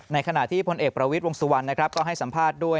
ในขณะที่พลเอกประวิทย์วงศวรรณก็ให้สัมภาษณ์ด้วย